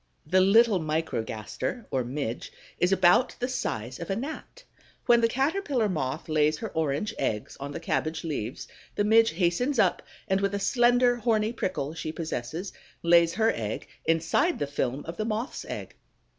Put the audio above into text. The little Microgaster or Midge is about the size of a Gnat. When the Caterpillar moth lays her orange eggs on the cabbage leaves, the Midge hastens up and with a slender, horny prickle she possesses, lays her egg inside the film of the Moth's egg.